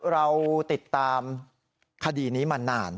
เราติดตามคดีมันนาน